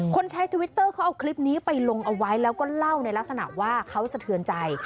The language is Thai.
ใช้ทวิตเตอร์เขาเอาคลิปนี้ไปลงเอาไว้แล้วก็เล่าในลักษณะว่าเขาสะเทือนใจ